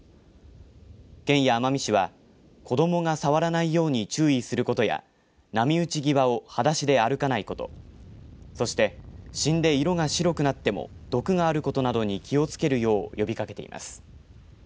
県や奄美市は子どもが触らないように注意することや波打ち際をはだしで歩かないことそして死んで色が白くなっても毒があることなどに気を付けるよう呼びかけていました。